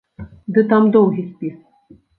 Ды там доўгі спіс.